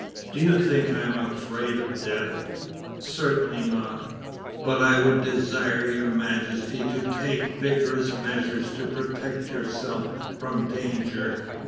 Do you think I am afraid of death?" "Certainly not, but I would desire Your Majesty to take vigorous measures to protect yourself from danger."